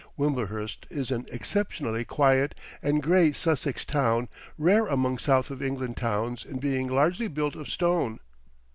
Wimblehurst is an exceptionally quiet and grey Sussex town rare among south of England towns in being largely built of stone.